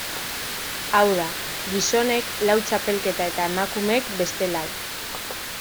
Hau da, gizonek lau txapelketa eta emakumeek beste lau.